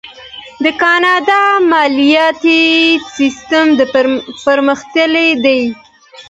د کاناډا مالیاتي سیستم پرمختللی دی.